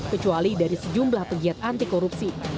kecuali dari sejumlah pegiat anti korupsi